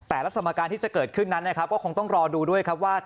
แต่ละสมการที่จะเกิดขึ้นนั้นก็คงต้องรอดูด้วยครับว่า